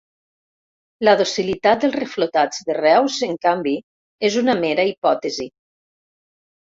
La docilitat dels reflotats de Reus, en canvi, és una mera hipòtesi.